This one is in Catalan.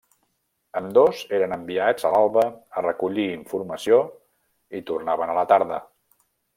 Ambdós eren enviats a l'alba a recollir informació i tornaven a la tarda.